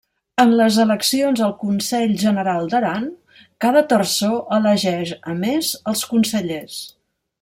En les eleccions al Consell General d'Aran cada terçó elegeix, a més, els consellers.